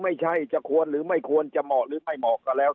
ไม่ใช่จะควรหรือไม่ควรจะเหมาะหรือไม่เหมาะก็แล้ว